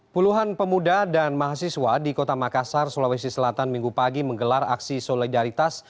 puluhan pemuda dan mahasiswa di kota makassar sulawesi selatan minggu pagi menggelar aksi solidaritas